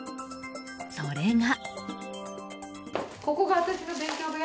それが。